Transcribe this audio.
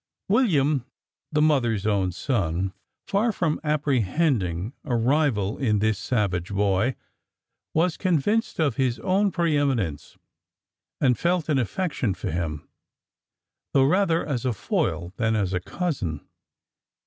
William, the mother's own son, far from apprehending a rival in this savage boy, was convinced of his own pre eminence, and felt an affection for him though rather as a foil than as a cousin.